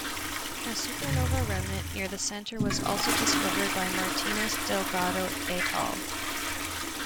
A supernova remnant near the center was also discovered by Martínez-Delgado et al.